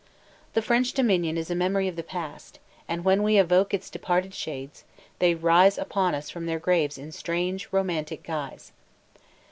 The French dominion is a memory of the past; and when we evoke its departed shades, they rise upon us from their graves in strange, romantic guise.